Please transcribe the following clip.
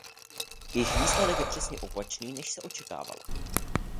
Jejich výsledek je přesně opačný, než se očekávalo.